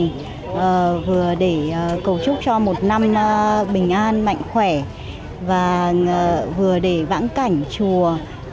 chùa trấn quốc vừa để cầu chúc cho một năm bình an mạnh khỏe và vừa để vãng cảnh chùa